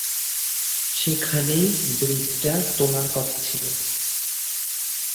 সেখানেই ব্রিজটা তোলার কথা ছিল।